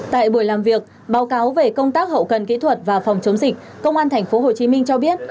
tại buổi làm việc báo cáo về công tác hậu cần kỹ thuật và phòng chống dịch công an tp hcm cho biết